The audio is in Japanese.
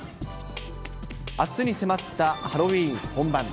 あすに迫ったハロウィーン本番。